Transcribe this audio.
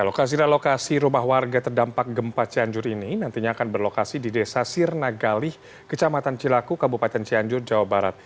lokasi relokasi rumah warga terdampak gempa cianjur ini nantinya akan berlokasi di desa sirna galih kecamatan cilaku kabupaten cianjur jawa barat